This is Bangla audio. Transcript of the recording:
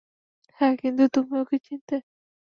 হ্যাঁ, কিন্তু তুমি ওকে চিনতে।